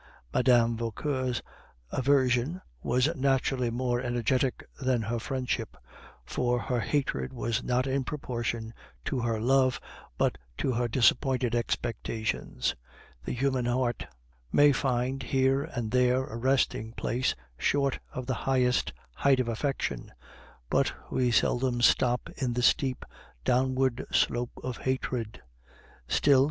Mme. Vauquer's aversion was naturally more energetic than her friendship, for her hatred was not in proportion to her love, but to her disappointed expectations. The human heart may find here and there a resting place short of the highest height of affection, but we seldom stop in the steep, downward slope of hatred. Still, M.